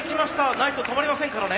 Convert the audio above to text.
ないと止まりませんからね。